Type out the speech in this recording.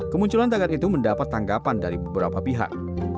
kemunculan tagar itu mendapat tanggapan dari beberapa pihak